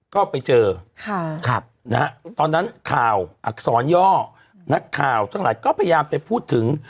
ก็ไปเจอตอนนั้นข่าวอักษรย่อนักข่าวทั้งหลายก็พยายามไปพูดถึง